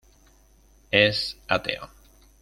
Es ateo.